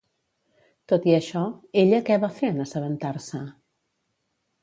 Tot i això, ella què va fer en assabentar-se?